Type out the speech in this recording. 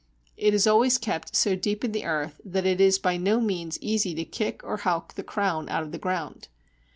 It is always kept so deep in the earth, that it is by no means easy to kick or "howk" the crown out of the ground.